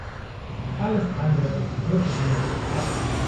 Alles andere ist wirklich nur Theater.